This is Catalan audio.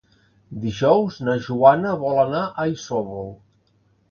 Dijous na Joana vol anar a Isòvol.